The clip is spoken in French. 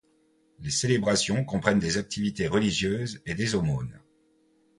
Les célébrations comprennent des activités religieuses et des aumônes.